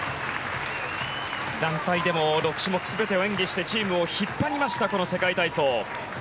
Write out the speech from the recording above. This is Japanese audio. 団体でも６種目全てを演技してチームを引っ張りましたこの世界体操。